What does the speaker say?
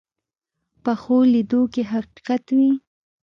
پخو لیدو کې حقیقت وي